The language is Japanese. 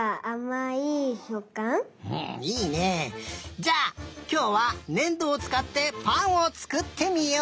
じゃあきょうはねんどをつかってぱんをつくってみよう！